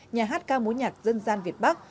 nhà hát ca múa nhạc dân gian việt bắc